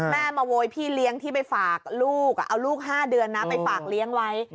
แม่มาโวยพี่เลี้ยงที่ไปฝากลูกเอาลูก๕เดือนนะไปฝากเลี้ยงไว้